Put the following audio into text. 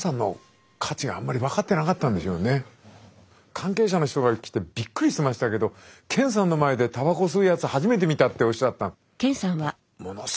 関係者の人が来てびっくりしてましたけど健さんの前でたばこ吸うやつ初めて見たっておっしゃったの。